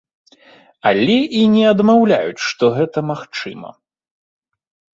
Але і не адмаўляюць, што гэта магчыма.